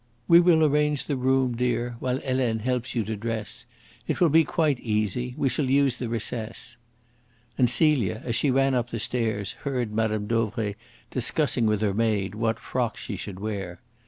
"We will arrange the room, dear, while Helene helps you to dress. It will be quite easy. We shall use the recess." And Celia, as she ran up the stairs, heard Mme. Dauvray discussing with her maid what frock she should wear.